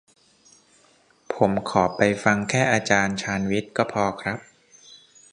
ผมขอไปฟังแค่อาจารย์ชาญวิทย์ก็พอครับ